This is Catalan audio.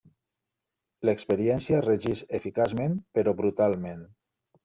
L'experiència regeix eficaçment però brutalment.